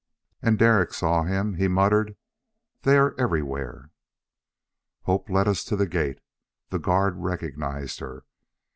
And Derek saw him. He muttered, "They are everywhere." Hope led us to the gate. The guard recognized her.